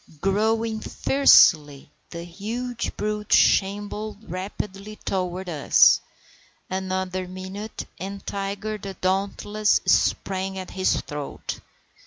Growling fiercely, the huge brute shambled rapidly toward us. Another minute, and Tiger the dauntless sprang at his throat.